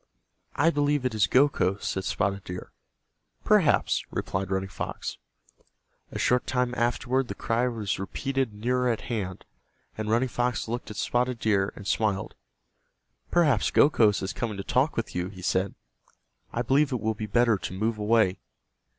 "I believe it is Gokhos," said Spotted Deer. "Perhaps," replied Running Fox. A short time afterward the cry was repeated nearer at hand, and Running Fox looked at Spotted Deer and smiled. "Perhaps Gokhos is coming to talk with you," he said. "I believe it will be better to move away."